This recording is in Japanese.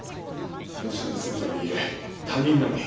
恩師の娘とはいえ他人なのに。